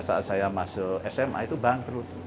saat saya masuk sma itu bangkrut